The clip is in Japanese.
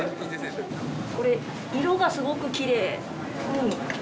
これ色がすごくきれい。